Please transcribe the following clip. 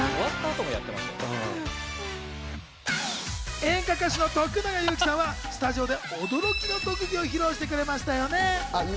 演歌歌手の徳永ゆうきさんはスタジオで驚きの特技を披露してくれましたよね。